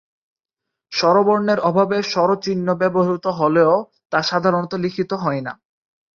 স্বরবর্ণের অভাবে স্বরচিহ্ন ব্যবহূত হলেও তা সাধারণত লিখিত হয় না।